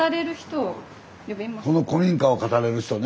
この古民家を語れる人ね。